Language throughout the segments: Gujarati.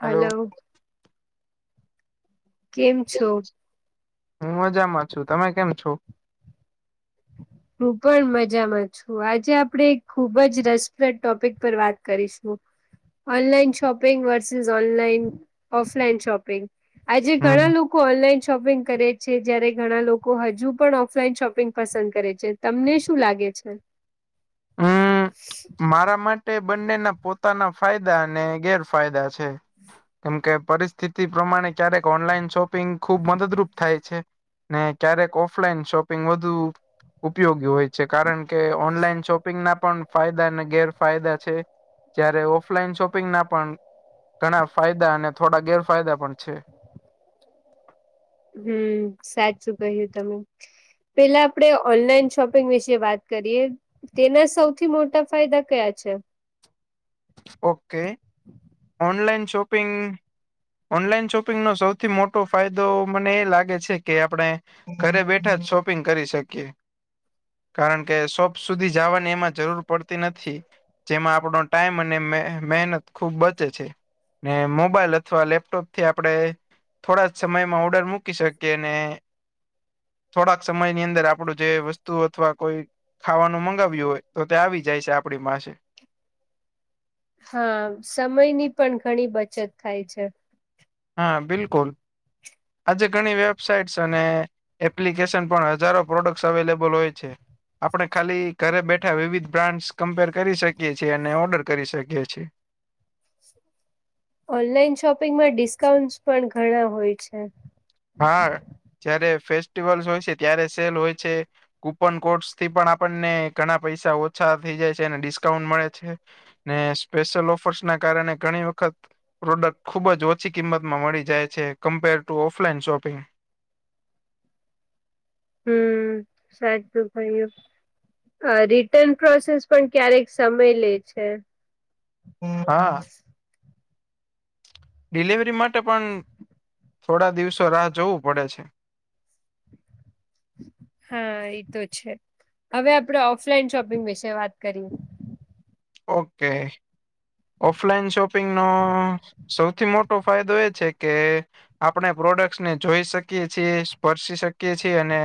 હલો. કેમ છો? હું મજામાં છું, તમે કેમ છો? હું પણ મજામાં છું, આજે આપણેે ખુબ જ રસપ્રદ ટોપિક પર વાત કરીશું. Online shopping versus, online offline shopping આજે ઘણા હમ લોકો ઓનલાઈન શોપિંગ કરે છે. છે, જયારે ઘણા લોકો હજુ પણ ઓફલાઈન શોપિંગ પસંદ કરે છે. છે. તમને શું લાગે છે? મારા માટે બંનેના પોતાના ફાયદા અને ગેરફાયદા છે. કેમ કે પરિસ્થિતિ પ્રમાણે ક્યારેક ઓનલાઈન શોપિંગ ખુબ મદદરૂપ થાય છે. ને ક્યારેક ઓફલાઈન શોપિંગ વધુ ઉપયોગી હોય છે. કારણ કે ઓનલાઈન શોપિંગ ના પણ ફાયદા ને ગેરફાયદા છે. જ્યારે ઓફલાઈન શોપિંગ ના પણ ઘણા ફાયદા અને થોડા ગેરફાયદા પણ છે. હમ્મ. સાચું કહ્યું તમે. પહેલા આપણે ઓનલાઈન શોપિંગ વિશે વાત કરીએ. તેના સૌથી મોટા ફાયદા કયા છે? ઓકે. ઓનલાઈન શોપિંગ ઓનલાઈન શોપિંગનો સૌથી મોટો ફાયદો મને એ લાગે છે કે આપણે ઘરે બેઠા જ શોપિંગ કરી શકીએ. કારણ કે શોપ સુધી જવાની એમાં જરૂર પડતી નથી. જેમાં આપણો ટાઈમ અને મહે મહેનત ખુબ બચે છે. ને મોબાઈલ અથવા લેપટોપથી આપણે થોડા જ સમયમાં ઓર્ડર મૂકી શકીએ. ને થોડાક સમય ની અંદર આપણું જે વસ્તુ અથવા કોઈ ખાવાનું મગાવ્યું હોય તો તે આવી જાય છે આપણી પાસે. હા. સમયની પણ ઘણી બચત થાય છે. હા બિલકુલ. આજે ઘણી વેબસાઈટ્સ અને એપ્લિકેશન પણ હજારો પ્રોડક્ટ્સ અવેલેબલ હોય છે. આપણે ખાલી ઘરે બેઠા વિવિધ બ્રાન્ડસ કમ્પેર કરી શકીએ છીએ, અને ઓર્ડર કરી શકીએ છીએ. ઓનલાઈન શોપિંગમાં ડિસ્કાઉન્ટ્સ પણ ઘણા હોય છે. હા. જયારે ફેસ્ટિવલ્સ હોય છે, ત્યારે સેલ હોય છે. કુપન કોડ્સ થી પણ આપણને ઘણા પૈસા ઓછા થઈ જાય છે, અને ડિસ્કાઉન્ટ મળે છે. ને સ્પેશિયલ ઓફર્સ ના કારણે ઘણી વખત પ્રોડક્ટ ખુબ જ ઓછી કિંમતમાં મળી જાય છે, કમ્પેર ટુ ઓફલાઈન શોપિંગ. હમ્મ. સાચું કહ્યું. અહ રિટર્ન પ્રોસેસ પણ ક્યારેક સમય લે છે. હમ્મ હા. ડિલીવરી માટે પન થોડા દિવસો રાહ જોવું પડે છે. હા ઈ તો છે. હવે આપણેે ઓફલાઈન શોપિંગ વિશે વાત કરીએ. ઓકે. ઓફલાઈન શોપિંગ નો સૌથી મોટો ફાયદો એ છે કે આપણે પ્રોડક્ટસ ને જોઈ શકીએ છીએ, સ્પર્શી શકીએ છીએ અને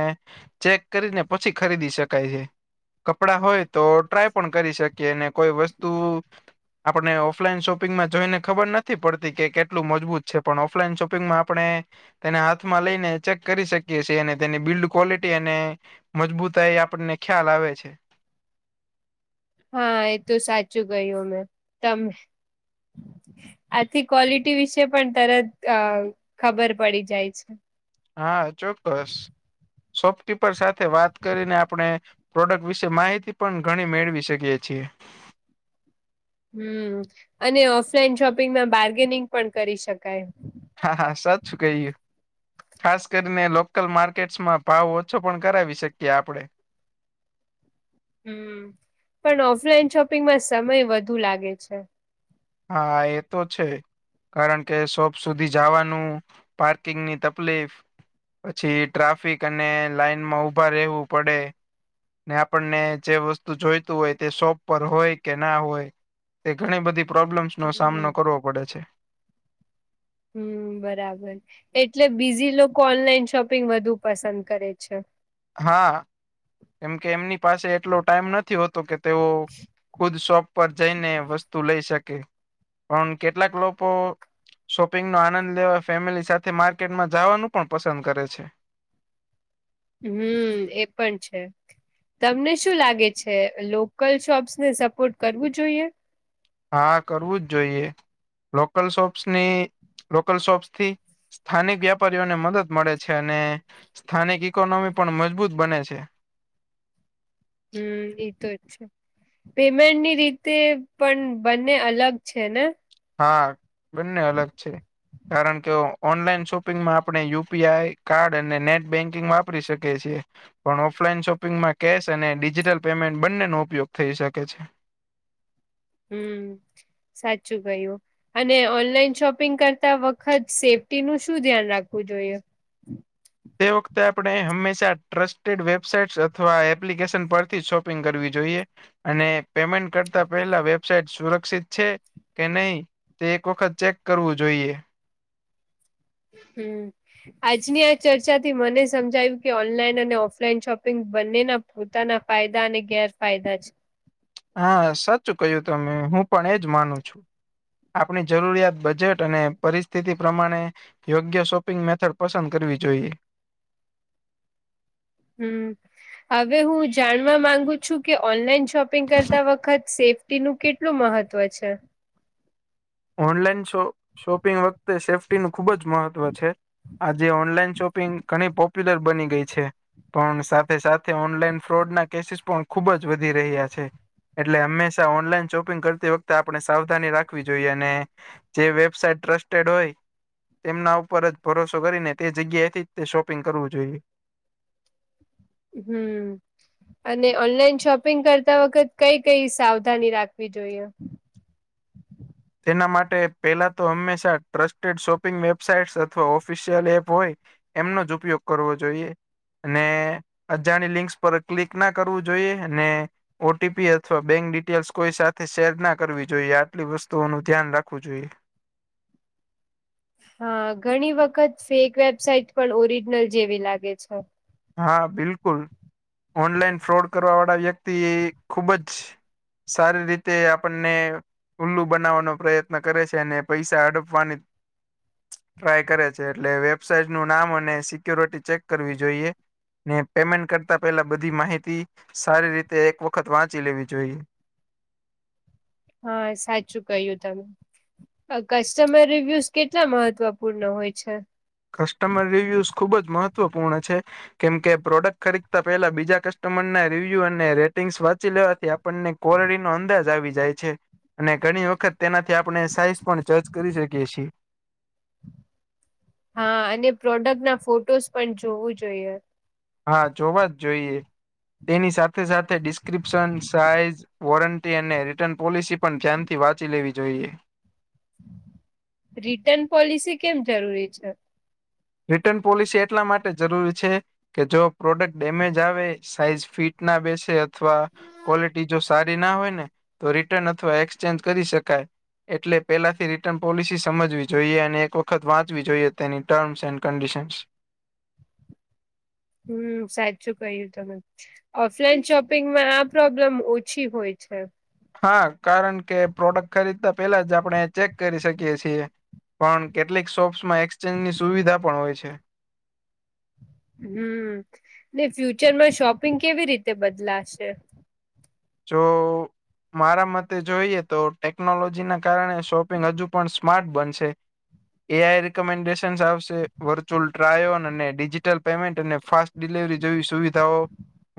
ચેક કરીને પછી ખરીદી શકાય છે. કપડા હોય તો ટ્રાય પણ કરી શકીએ, ને કોઈ વસ્તુ આપણને ઓફલાઈન શોપિંગમાં જોઈને ખબર નથી પડતી કે કેટલું મજબૂત છે. પણ ઓફલાઈન શોપિંગમાં આપણે તેને હાથમાં લઈને ચેક કરી શકીએ છીએ. અને તેની બિલ્ડ ક્વોલિટી અને મજબૂતાઈ આપણને ખ્યાલ આવે છે. હા એ તો સાચું કહ્યું અમેં, તમે. આથી ક્વોલિટી વિશે પણ તરત અહ ખબર પડી જાય છ. હા ચોક્કસ. શોપકીપર સાથે વાત કરીને આપણે પ્રોડક્ટ વિશે માહિતી પણ ઘણી મેળવી શકીએ છીએ. હમ અને ઓફલાઈન શોપિંગમાં બાર્ગેનિંગ પણ કરી શકાય. હા હા સાચું કહ્યું. ખાસ કરીને લોકલ માર્કેટસમાં ભાવ ઓછો પણ કરાવી શકીએ આપણેે. હમ પણ ઓફલાઈન શોપિંગમાં સમય વધુ લાગે છે. હા એ તો છે. કારણ કે શોપ સુધી જાવાનું, પાર્કિંગ ની તકલીફ. પછી ટ્રાફિક અને લાઈનમાં ઉભા રહેવું પડે. ને આપણને જે વસ્તુ જોઈતું હોય તે શોપ પર હોય કે ના હોય. તે ઘણી બધી પ્રોબ્લેમ્સનો સામનો હમ કરવો પડે છે. હમ બરાબર. એટલે બીજી લોકો ઓનલાઈન શોપિંગ વધુ પસંદ કરે છે. હા. કેમ કે એમની પાસે એટલો ટાઈમ નથી હોતો કે તેઓ ખુદ શોપ પર જઈને વસ્તુ લઈ શકે. પણ કેટલાક લોકો શોપિંગનો આનંદ લેવા ફેમિલી સાથે માર્કેટમાં જવાનું પણ પસંદ કરે છે. હમ એ પણ છે. તમને શું લાગે છે લોકલ શોપ્સ ને સપોર્ટ કરવું જોઈએ? હા કરવું જ જોઈએ. લોકલ શોપ્સની લોકલ શોપ્સથી સ્થાનિક વ્યાપારીઓને મદદ મળે છે અને સ્થાનિક ઈકોનોમી પણ મજબૂત બને છે. હમ એતો જ છે. પેમેન્ટની રીતે પણ બંને અલગ છે ને? હા બંને અલગ છે. કારણ કે ઓનલાઈન શોપિંગમાં આપણે યુપીઆઈ કાર્ડ અને નેટ બેન્કિંગ વાપરી શકીએ છીએ. પણ ઓફલાઈન શોપિંગમાં કેશ અને ડિજિટલ પેમેન્ટ બંનેનો ઉપયોગ થઈ શકે છે. હમ સાચું કયું. અને ઓનલાઈન શોપિંગ કરતા વખત સેફટીનું શું ધ્યાન રાખવું જોઈએ? તે વખતે આપણે હંમેશા ટ્રસ્ટેડ વેબસાઇટ અથવા એપ્લિકેશન પરથી શોપિંગ કરવી જોઈએ. અને પેમેન્ટ કરતા પેહલા વેબસાઇટ સુરક્ષિત છે. કે નહી તે એક વખત ચેક કરવું જોઈએ. હમ. આજની આ ચર્ચાથી મને સમજાયું કે ઓનલાઈન અને ઓફલાઈન શોપિંગ બંનેના પોતાના ફાયદા અને ગેરફાયદા છે. હા સાચું કય્યું તમે. હું પણ એજ માનું છું. આપણી જરૂરિયાત, બજેટ અને પરિસ્થિતિ પ્રમાણે. યોગ્ય શોપિંગ મેથડ પસંદ કરવી જોઈએ. હમ. હવે હું જાણવા માંગુ છું કે ઓનલાઈન શોપિંગ કરતા વખત સેફ ટીનું કેટલું મહત્વ છે? ઓનલાઈન શો શોપિંગ વખતે સેફ્ટીનું ખુબ જ મહત્વ છે. આજે ઓનલાઈન શોપિંગ ઘણી પોપ્યુલર બની ગઈ છે. પણ સાથે સાથે ઓનલાઈન ફ્રોડના કેસીસ પણ ખુબ જ વધી રહ્યા છે. એટલે હંમેશા ઓનલાઈન શોપિંગ કરતી વખતે આપણે સાવધાની રાખવી જોઈ અને જે વેબસાઇટ ટ્રસ્ટેડ હોય તેમના ઉપર જ ભરોસો કરીને તે જગ્યાએથી જ તે શોપિંગ કરવું જોઈએ. હમ અને ઓનલાઈન શોપિંગ કરતા વખત કઈ કઈ સાવધાની રાખવી જોઈએ? તેના માટે પેલા તો હંમેશા ટ્રસ્ટેડ શોપિંગ વેબસાઈટસ અથવા ઓફિશિયલ એપ હોય. એમનો જ ઉપયોગ કરવો જોઈએ. અને અજાણી લિંક્સ પર ક્લિક ના કરવું જોઈએ. અને ઓ ટટીપી અથવા બેંક ડિટેલ્સ કોઈ સાથે શેર ના કરવી જોઈએ, આટલી વસ્તુ તોનું ધ્યાન રાખવું જોઈએ. ઘણી ફેક વેબસાઇટ પણ ઓરિજનલ જેવી લાગે છે. હા બિલકુલ, ઓનલાઈન ફ્રોડ કરવા વાળા વ્યક્તિ એ ખુબ જ સારી રીતે આપણને ઉુલ્લું બનાવવાનો પ્રયત્ન કરે છે, અને પૈસા હડપવાની ટ્રાય કરે છે, એટલે વેબસાાઈટ નું નામ અને સિક્યોરિટી ચેક કરવી જોઈએ. ને પેમેન્ટ કરતા, પેલા બધી માહિતી સારી રીતે એક વખત વાંચી લેવી જોઈએ. હા, સાચું કહ્યું તમે. કસ્ટમર રિવ્યુઝ કેટલા મહત્વપૂર્ણ હોય છે? કસ્ટમર રિવ્યુઝ ખુબ જ મહત્વપૂર્ણ છે. કેમ કે, પ્રોડક્ટ ખરીદતા પેલા બીજા કસ્ટમર ના રિવ્યુ અને રેટિંગ્સ વાંચી લેવાથી. આપણને કોરડીનો અંદાજ આવી જાય છે. અને ઘણી વખત તેનાથી આપણે સાઈઝ પણ જજ કરી શકીએ છીએ. હા, અને પ્રોડક્ટ ના ફોટોઝ પણ જોવું જોઈએ. હા, જોવા જ જોઈએ, તેની સાથે-સાથે ડિસ્ક્રિપ્શન સાઈઝ વોરંટી અને રિટર્ન પોલિસી પણ ધ્યાનથી વાંચી લેવી જોઈએ. રિટર્ન પોલિસી કેમ જરૂરી છે? રિટર્ન પોલિસી એટલા માટે જરૂરી છે. કે જો પ્રોડક્ટ ડેમેજ આવે, સાઈઝ ફીટ ના બેસે અથવા ક્વોલિટી જો સારી ના હોય ને, તો રિટર્ન અથવા એક્સચેન્જ કરી શકાય. એટલે પેલાથી રિટર્ન પોલિસી સમજવી જોઈએ, અને એક વખત વાંચવી જોઈએ, તેની ટર્મસ એન્ડ કંડીશનસ. હમ, સાચું કહ્યું તમે. ઓફલાઈન શોપિંગમાં આ પ્રોબ્લેમ ઓછી હોય છે. હા, કારણ કે પ્રોડક્ટ ખરીદતા પેલા જ આપણે ચેક કરી શકીએ છીએ. પણ કેટલીક શોપ્સ માં એક્સચેન્જની સુવિધા પણ હોય છે. હમ ને, ફ્યુચર માં શોપિંગ કેવી રીતે બદલાશે. જો. મારા મતે જોઈએ તો, ટેકનોલોજી ના કારણે શોપિંગ હજુ પણ સ્માર્ટ બનશે. એ આઈ રિકમેન્ડેશન આવશે, વર્ચ્યુઅલ ટ્રાયોન અને ડિજિટલ પેમેન્ટ અને ફાસ ડિલેવરી જેવી સુવિધાઓ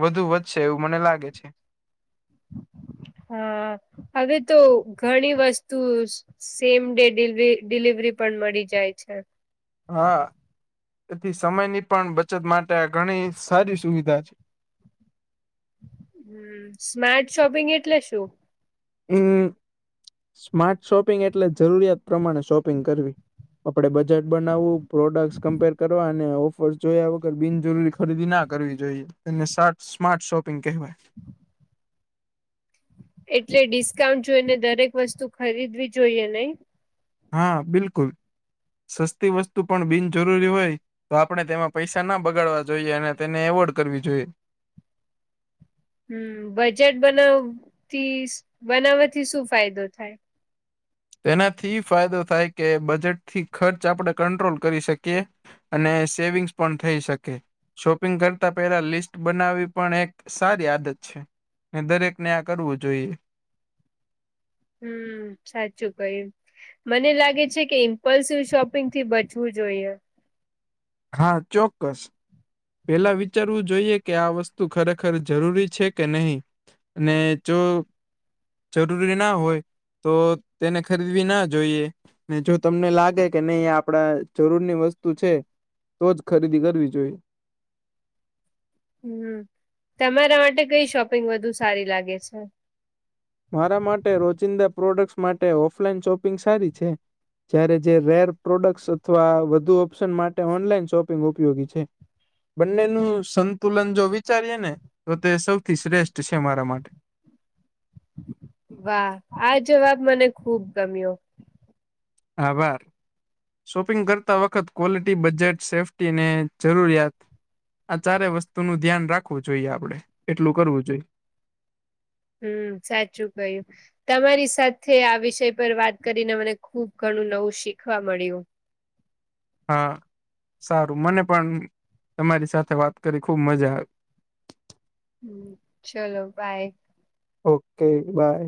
વધશે એવું મને લાગે છે. [unintelligible] હવે ઘણી વસ્તુ સેમ ડે ડિલિવરી પણ મળી જાય છે. હા, એથી સમયની પણ બચત માટે આ ઘણી સારી સુવિધા છે. હમ, સ્માર્ટ શોપિંગ એટલે શું? હમ, સ્માર્ટ શોપિંગ એટલે જરૂરિયાત પ્રમાણે શોપિંગ કરવી. આપડે બજેટ બનાવવું, પ્રોડક્ટસ કમ્પેર કરવા, અને ઓફર જોયા વગર બિનજરૂરી ખરીદી ના કરવી જોઈએ, એને સ્માર્ટ શોપિંગ કહેવાય. એટલે ડિસ્કાઉન્ટ જોઈને, દરેક વસ્તુ ખરીદવી જોઈએ નહી. હા, બિલકુલ, સસ્તી વસ્તુ પણ બિનજરૂરી હોય. તો આપણે તેમાં પૈસા ના બગાડવા જોઈએ, અને તેને એવોર્ડ કરવી જોઈએ. હમમ બજેટ બનાવવાથી બનાવવાથી શુ ફાયદો થાય. એનાથી ઈ ફાયદો થાય કે, બજેટથી ખર્ચ આપડે કંટ્રોલ કરી શકે. અને સેવિગ્ન્સ પણ થઈ શકે, શોપિંગ કરતા પહેલા લિસ્ટ બનાવવી પણ એક સારી આદત છે, એ દરેક ને, આ કરવું જોઈએ. હમમ સાચું કહ્યું, મને લાગે છે કે ઇન્પલ્સિવ શોપિંગ થી બચવું જોઈએ, હા ચોક્ક્સ, પેલા વિચારવું જોઈએ કે આ વસ્તુ જરૂરી છે કે નહી? ને જો જરૂરી ના હોય. તો તેને ખરીદવી ના જોઈએ, ને જો તમને લાગે કે નહી આપડે જરૂરની વસ્તુ છે, તો જ ખરીદી કરવી જોઈએ, હમમ તમારા માટે કઈ શોપિંગ સારી લાગે છે, મારા માટે રોજિંદા પ્રોડક્ટ્સ માટે ઑફલાઇન શોપિંગ સારી છે, જયારે જે રેર પ્રોડક્ટ્સ અથવા વધુ ઓપ્શન માટે ઓનલાઈન શોપિંગ ઉપયોગી છે, બન્નેનું સંતુલન જો વિચારીએ ને તો સૌથી શ્રેષ્ટ છે મારા માટે, વાહ આ જવાબ મને ખૂબ ગમ્યો, આભાર, શોપિંગ કરતા વખત ક્વોલિટી બજેટ સેફ્ટી ને જરૂરિયાત, આ ચારેય વસ્તુનું ધ્યાન રાખવું જોઈએ આપડે એટલું કરવું જોઈએ, હમમ સાચું કહ્યું, તમારી સાથે આ વિષય પર વાત કરીને મને ખૂબ ઘણું નવું શીખવા મળ્યું, હા સારું મને પણ તમારી સાથે વાત કરી ને ખૂબ મજા આવી, [unintelligible] હમમ ચલો બાય, ઓકે બાય,